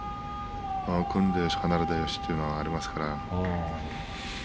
組んでよし離れてよしというのがありますから。